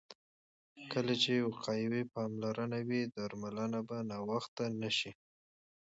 کله چې وقایوي پاملرنه وي، درملنه به ناوخته نه شي.